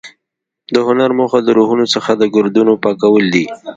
د هنر موخه د روحونو څخه د ګردونو پاکول دي.